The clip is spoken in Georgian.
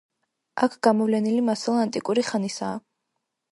აქ გამოვლენილი მასალა ანტიკური ხანისაა.